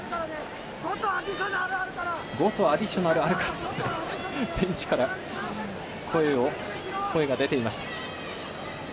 ５とアディショナルあるから！とベンチから声が出ていました。